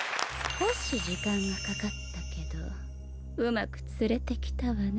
「少し時間がかかったけど上手く釣れてきたわね」